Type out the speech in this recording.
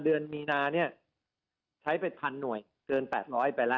เดือนมีนาเนี่ยใช้ไป๑๐๐หน่วยเกิน๘๐๐ไปแล้ว